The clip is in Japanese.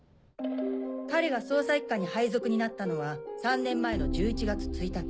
彼が捜査一課に配属になったのは３年前の１１月１日。